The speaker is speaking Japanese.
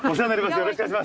よろしくお願いします。